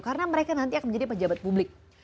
karena mereka nanti akan menjadi pejabat publik